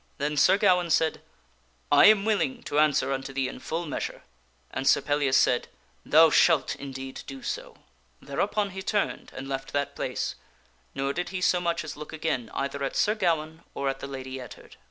Then Sir Gawaine said, " I am willing to answer unto thee in full measure." And Sir Pellias said, " Thou shalt indeed do so." Thereupon he turned and left that place, nor did he so much as look again either at Sir Gawaine or at the Lady Ettard.